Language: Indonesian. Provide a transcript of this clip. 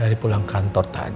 dari pulang kantor tadi